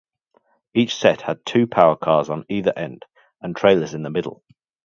Each set had two power cars on either end and trailers in the middle.